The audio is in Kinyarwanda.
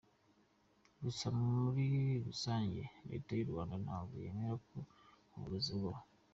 Gusa muri Rusange Leta y’ u Rwanda ntabwo yemera ko uburozi bubaho.